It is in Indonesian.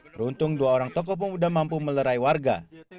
beruntung dua orang tokoh pemuda mampu melerai warga